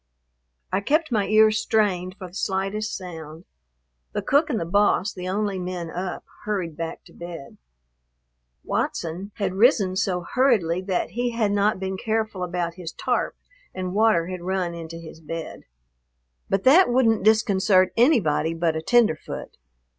I kept my ears strained for the slightest sound. The cook and the boss, the only men up, hurried back to bed. Watson had risen so hurriedly that he had not been careful about his "tarp" and water had run into his bed. But that wouldn't disconcert anybody but a tenderfoot.